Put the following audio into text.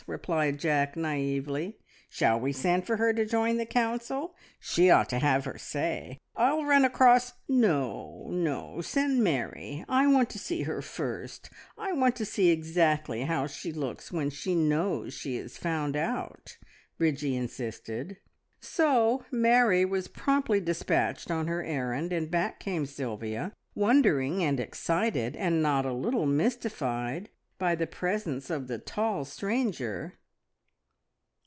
replied Jack naively. "Shall we send for her to join the council? She ought to have her say. I'll run across " "No, no! Send Mary. I want to see her first I want to see exactly how she looks when she knows she is found out," Bridgie insisted; so Mary was promptly despatched on her errand, and back came Sylvia, wondering and excited, and not a little mystified by the presence of the tall stranger.